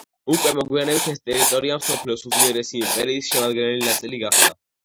უკვე მოგვიანებით ეს ტერიტორია მსოფლიოს უძლიერესი იმპერიის შემადგენელი ნაწილი გახდა.